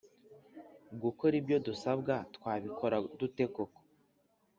gukora ibyo dusabwa Twabikora dute koko